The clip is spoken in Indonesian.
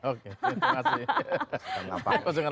oke terima kasih